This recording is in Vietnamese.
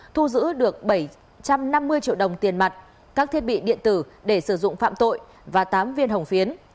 thu giữ được bảy trăm năm mươi triệu đồng tiền mặt các thiết bị điện tử để sử dụng phạm tội và tám viên hồng phiến